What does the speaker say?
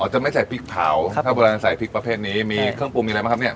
จะไม่ใส่พริกเผาถ้าโบราณใส่พริกประเภทนี้มีเครื่องปรุงมีอะไรบ้างครับเนี่ย